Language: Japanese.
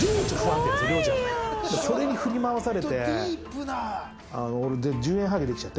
それに振り回されて。